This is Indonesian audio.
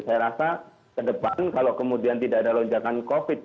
saya rasa ke depan kalau kemudian tidak ada lonjakan covid